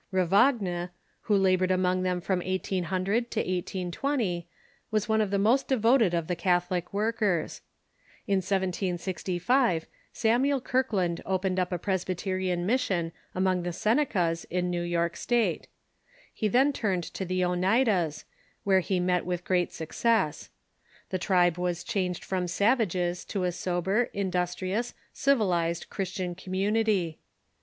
Ravagne, who labored North American among them from 1800 to 18:20, was one of the most devoted of the Catholic workers. In 1765, Samuel Kirkland opened up a Presbyterian mission among the Senecas, in New York State. He then turned to the Oneidas, where he met with great success. The tribe Avas changed from savages to a sober, industrious, civilized, Christian com munity.